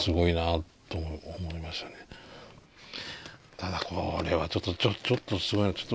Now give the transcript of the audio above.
ただこれはちょっとすごいな。